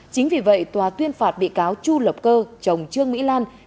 chính vì vậy tòa tuyên phạt bị cáo chu lập cơ chồng trương mỹ lan